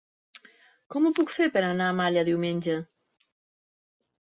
Com ho puc fer per anar a Malla diumenge?